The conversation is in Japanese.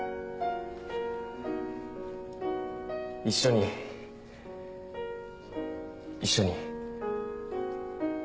一緒に一緒に。